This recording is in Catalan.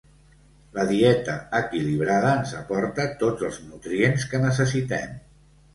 La dieta equilibrada ens aporta tots els nutrients que necessitem.